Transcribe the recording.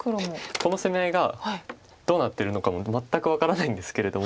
この攻め合いがどうなってるのかも全く分からないんですけれども。